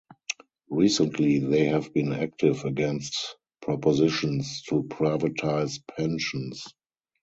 Recently they have been active against propositions to privatize pensions.